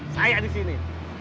saya di sini